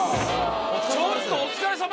ちょっとお疲れさま！